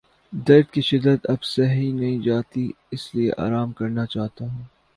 درد کی شدت اب سہی نہیں جاتی اس لیے آرام کرنا چاہتا ہوں